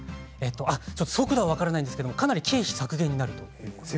速度は分からないですけどかなり経費削減になるということです。